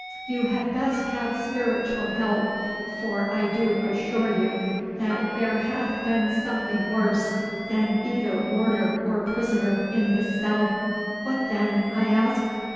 You had best have spiritual help, for I do assure you that there hath been something worse than either warder or prisoner in this cell.' 'What then?' I asked.